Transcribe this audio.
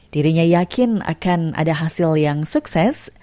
dirinya yakin akan ada hasil yang sukses